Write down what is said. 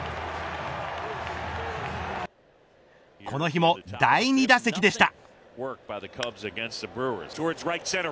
この日も第２打席でした。